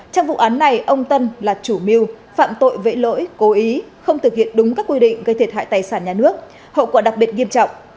trong vụ án này ông tân là chủ mưu phạm tội vệ lỗi cố ý không thực hiện đúng các quy định gây thiệt hại tài sản nhà nước hậu quả đặc biệt nghiêm trọng